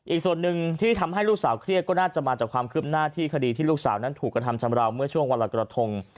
อีกส่วนหนึ่งที่ทำให้ลูกสาวเครียดก็น่าจะมาจากความคืบหน้าที่คดีที่ลูกสาวนั้นถูกกระทำชำราวเมื่อช่วงวันละกระทง